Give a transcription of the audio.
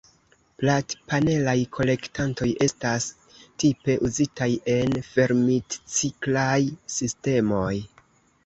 Platpanelaj kolektantoj estas tipe uzitaj en fermitciklaj sistemoj.